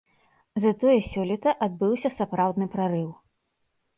Затое сёлета адбыўся сапраўдны прарыў.